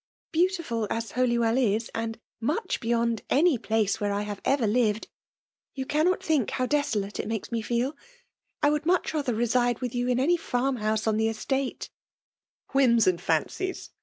Beautiful as Holywell is, 'aai much beyond any place where I have .e^^ lived, you cannot ihxnk how desdkte it nadNi me £efiL I would .modi rather reside "miit you in any farm house on ihe estette^" ''Whims and fisncies